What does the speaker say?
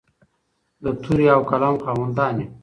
د تورې او قلم خاوندان یو.